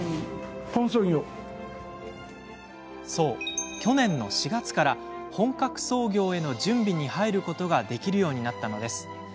そう、去年の４月から本格操業への準備に入ることができるようになったのです。